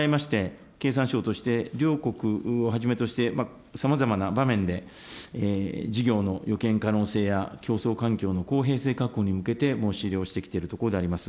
こうした状況を踏まえまして、経産省として、両国をはじめとして、さまざまな場面で事業の予見可能性や競争環境の公平性確保に向けて、申し入れをしてきているところであります。